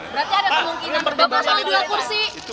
berarti ada kemungkinan bergabung dengan pemerintah